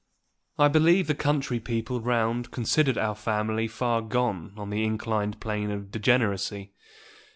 I believe the county people round considered our family far gone on the inclined plane of degeneracy.